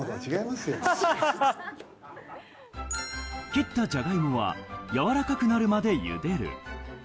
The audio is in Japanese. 切ったじゃがいもはやわらかくなるまでゆでる。